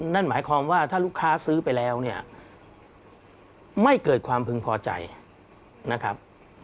นั่นหมายความว่าถ้าลูกค้าซื้อไปแล้วเนี่ยไม่เกิดความพึงพอใจนะครับ